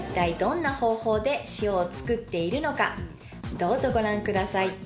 どうぞご覧ください。